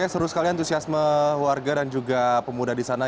seru sekali antusiasme warga dan juga pemuda di sana